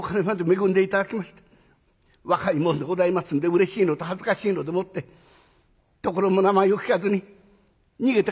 若い者でございますんでうれしいのと恥ずかしいのでもって所も名前も聞かずに逃げて帰りました。